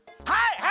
はい！